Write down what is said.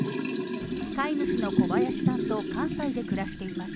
飼い主の小林さんと関西で暮らしています。